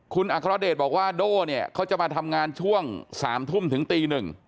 คุณอัคฮรเดชบอกว่าโด้จะมาทำงานช่วงสามทุ่มถึงตีหนึ่ง